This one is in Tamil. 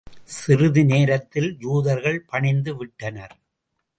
சிறிது நேரத்தில் யூதர்கள் பணிந்து விட்டனர்.